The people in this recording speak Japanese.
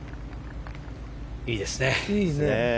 いいですね。